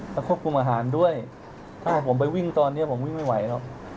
แล้วควบคุมอาหารด้วยถ้าผมไปวิ่งตอนนี้ผมวิ่งไม่ไหวหรอก